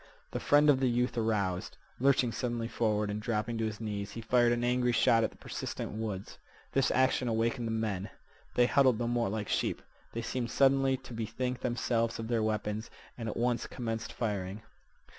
The friend of the youth aroused. Lurching suddenly forward and dropping to his knees, he fired an angry shot at the persistent woods. This action awakened the men. They huddled no more like sheep. They seemed suddenly to bethink themselves of their weapons, and at once commenced firing.